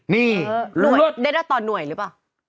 นี่รวดได้แล้วตอนหน่วยหรือเปล่า